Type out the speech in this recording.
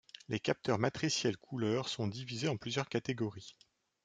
Les capteurs matriciels couleurs sont divisés en plusieurs catégories.